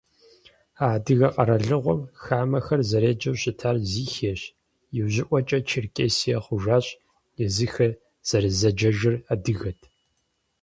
А адыгэ къэралыгъуэм хамэхэр зэреджэу щытар Зихиещ, иужьыӏуэкӏэ Черкесие хъужащ, езыхэр зэрызэджэжыр адыгэт.